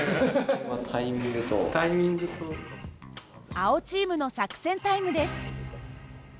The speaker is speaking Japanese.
青チームの作戦タイムです。